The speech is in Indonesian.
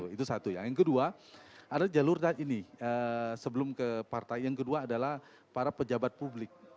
itu satu yang kedua adalah jalur ini sebelum ke partai yang kedua adalah para pejabat publik